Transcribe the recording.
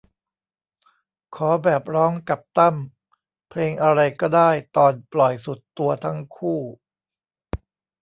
ขอแบบร้องกับตั้ม เพลงอะไรก็ได้ตอนปล่อยสุดตัวทั้งคู่